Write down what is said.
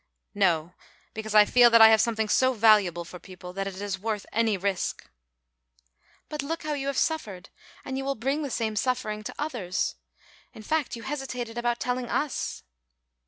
"No, because I feel that I have something so valuable for people, that it is worth any risk." "But look how you have suffered and you will bring the same suffering to others; in fact you hesitated about telling us."